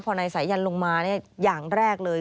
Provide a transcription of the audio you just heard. พอนายสายันลงมาอย่างแรกเลย